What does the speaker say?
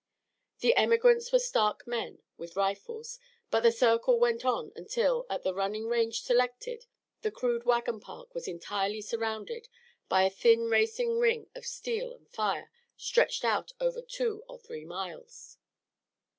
The emigrants were stark men with rifles. But the circle went on until, at the running range selected, the crude wagon park was entirely surrounded by a thin racing ring of steel and fire stretched out over two or three miles.